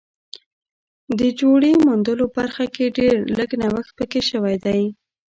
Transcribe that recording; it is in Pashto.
د جوړې موندلو برخه کې ډېر لږ نوښت پکې شوی دی